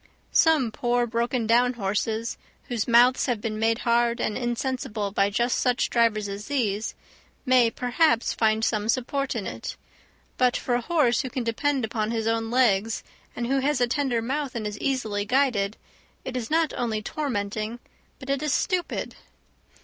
Some poor, broken down horses, whose mouths have been made hard and insensible by just such drivers as these, may, perhaps, find some support in it; but for a horse who can depend upon his own legs, and who has a tender mouth and is easily guided, it is not only tormenting, but it is stupid.